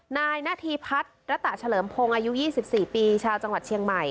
นายนาธีพัฒน์ระตะเฉลิมพงศ์อายุ๒๔ปีชาวจังหวัดเชียงใหม่